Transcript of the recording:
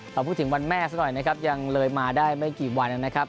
เราพูดถึงวันแม่ซะหน่อยนะครับยังเลยมาได้ไม่กี่วันนะครับ